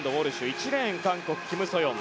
１レーン、韓国キム・ソヨン。